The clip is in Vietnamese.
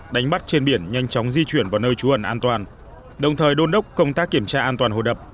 đánh bắt trên biển nhanh chóng di chuyển vào nơi trú ẩn an toàn đồng thời đôn đốc công tác kiểm tra an toàn hồ đập